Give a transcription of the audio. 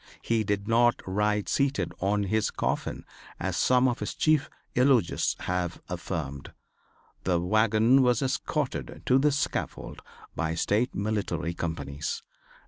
He did not ride seated on his coffin as some of his chief eulogists have affirmed. The wagon was escorted to the scaffold by State military companies.